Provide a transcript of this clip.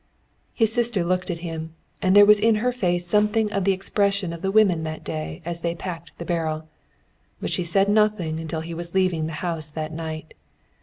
His sister looked at him, and there was in her face something of the expression of the women that day as they packed the barrel. But she said nothing until he was leaving the house that night.